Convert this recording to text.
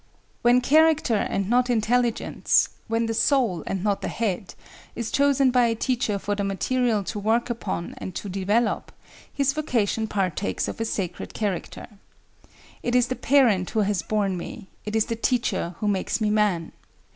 When character and not intelligence, when the soul and not the head, is chosen by a teacher for the material to work upon and to develop, his vocation partakes of a sacred character. "It is the parent who has borne me: it is the teacher who makes me man."